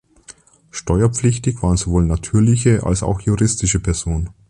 Steuerpflichtig waren sowohl natürliche als auch juristische Personen.